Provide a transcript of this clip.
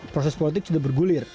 proses politik sudah bergulir